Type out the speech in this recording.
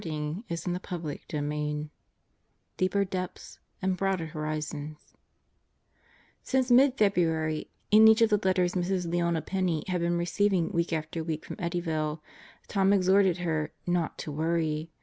"Penney, you're nutsl" CHAPTER NINE Deeper Depths and Broader Horizons SINCE mid February in each of the letters Mrs. Leona Penney had been receiving week after week from Eddyville, Tom exhorted her "not to worry."